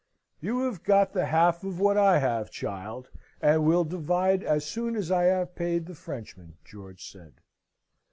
"You have got the half of what I have, child, and we'll divide as soon as I have paid the Frenchman," George said.